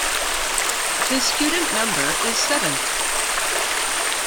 His student number is seventh.